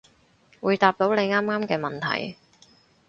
會答到你啱啱嘅問題